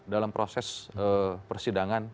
dalam proses persidangan